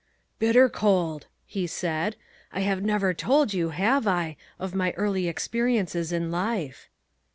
"Bitter cold," he said. "I have never told you, have I, of my early experiences in life?"